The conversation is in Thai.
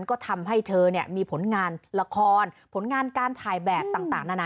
ก็ทำให้เธอมีผลงานละครผลงานการถ่ายแบบต่างนานา